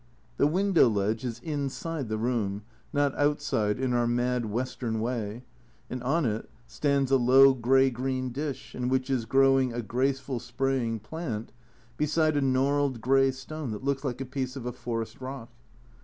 The window ledge is inside the room (not outside in our mad Western way), and on it stands a low grey green dish in which is growing a graceful spraying plant beside a gnarled grey stone that looks like a piece of a forest rock.